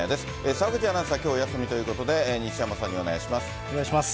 澤口アナウンサー、きょうお休みということで、西山さんにお願いします。